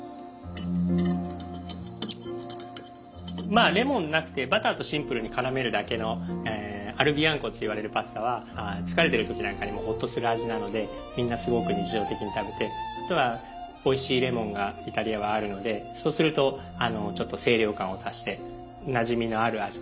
まあレモンなくてバターとシンプルに絡めるだけの「アルビアンコ」っていわれるパスタは疲れてる時なんかにもホッとする味なのでみんなすごく日常的に食べてあとはおいしいレモンがイタリアはあるのでそうするとちょっと清涼感を足してなじみのある味だと思います。